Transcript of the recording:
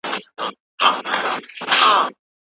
وروستي منزل ته به مي پل تر کندهاره څارې